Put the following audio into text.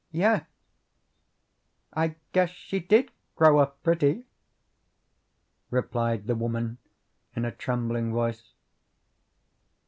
"Yes, I guess she did grow up pretty," replied the woman in a trembling voice.